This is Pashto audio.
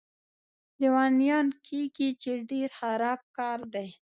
لیونیان کېږي، چې ډېر خراب کار دی.